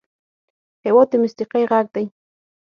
هېواد د موسیقۍ غږ دی.